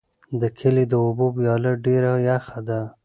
د کلي د اوبو ویاله ډېره یخه ده.